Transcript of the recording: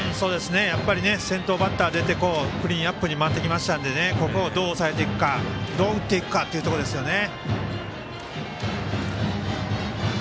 やっぱり先頭バッター出てクリーンアップに回ってきたのでここをどう抑えていくかどう打っていくかですね。